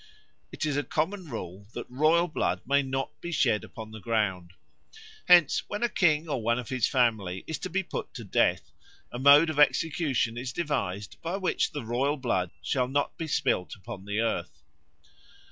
It is a common rule that royal blood may not be shed upon the ground. Hence when a king or one of his family is to be put to death a mode of execution is devised by which the royal blood shall not be spilt upon the earth.